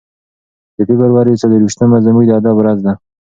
د فبرورۍ څلور ویشتمه زموږ د ادب ورځ ده.